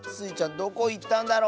どこいったんだろう？